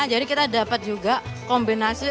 jadi kita dapat juga kombinasi